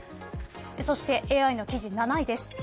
そしてＡＩの記事の７位です。